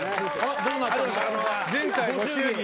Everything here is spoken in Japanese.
前回ご祝儀。